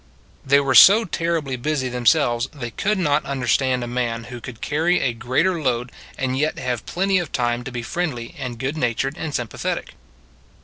They were so terribly busy themselves they could not understand a man who could carry a greater load, and yet have plenty of time to be friendly and good natured and sympathetic.